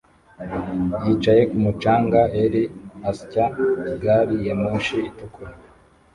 yicaye kumu canga er asya gari ya moshi itukura